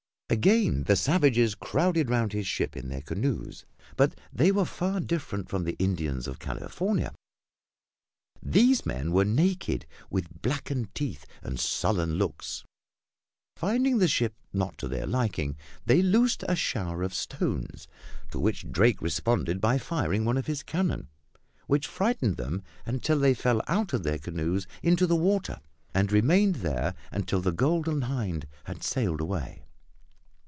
Again the savages crowded around his ship in their canoes, but they were far different from the Indians of California. These men were naked with blackened teeth and sullen looks. Finding the ship not to their liking, they loosed a shower of stones, to which Drake responded by firing one of his cannon, which frightened them until they fell out of their canoes into the water, and remained there until the Golden Hind had sailed away.